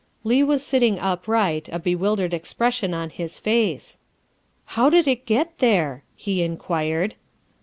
Leigh was sitting upright, a bewildered expression on his face. '' How did it get there ?" he inquired.